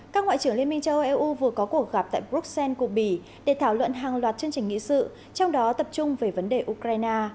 các ngoại trưởng liên minh châu âu eu vừa có cuộc gặp tại bruxelles của bỉ để thảo luận hàng loạt chương trình nghị sự trong đó tập trung về vấn đề ukraine